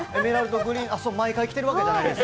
毎回着てるわけじゃないんです。